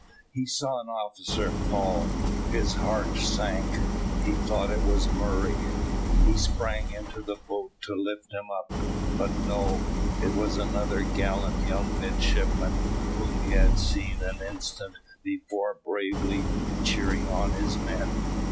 He saw an officer fall. His heart sank; he thought it was Murray. He sprang into the boat to lift him up but no it was another gallant young midshipman, whom he had seen an instant before bravely cheering on his men.